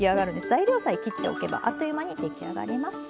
材料さえ切っておけばあっという間に出来上がります。